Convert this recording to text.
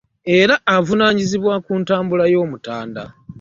Era avunaanyizibwa ku ntambula z'omutanda